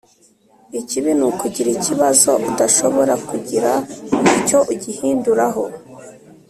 Ikibi nukugira ikibazo udashobora kugira icyo ugihinduraho